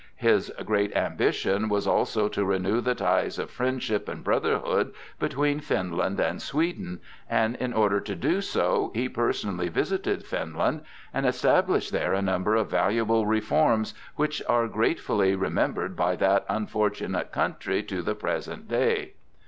His great ambition was also to renew the ties of friendship and brotherhood between Finland and Sweden, and in order to do so, he personally visited Finland, and established there a number of valuable reforms which are gratefully remembered by that unfortunate country to the present day.